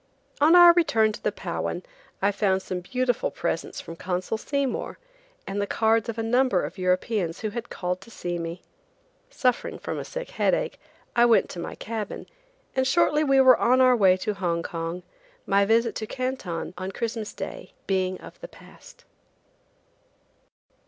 On our return to the Powan I found some beautiful presents from Consul Seymour and the cards of a number of Europeans who had called to see me. Suffering from a sick headache, I went to my cabin and shortly we were on our way to Hong Kong, my visit to Canton on Christmas day being of the past.